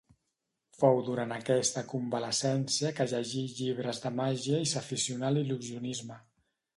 Fou durant aquesta convalescència que llegí llibres de màgia i s'aficionà a l'il·lusionisme.